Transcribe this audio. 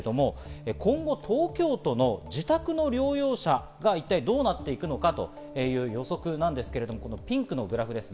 今後、東京都の自宅療養者の数がどうなっていくかという予測ですけど、ピンクのグラフです。